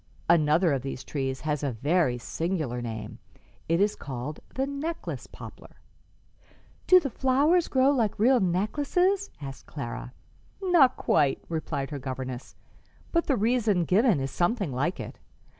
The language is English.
Another of these trees has a very singular name: it is called the necklace poplar." [Illustration: LOMBARDY POPLAR.] "Do the flowers grow like real necklaces?" asked Clara. "Not quite," replied her governess, "but the reason given is something like it.